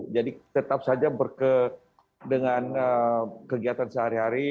jadi tetap saja berkegiatan sehari hari